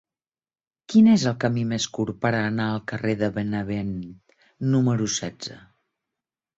Quin és el camí més curt per anar al carrer de Benevent número setze?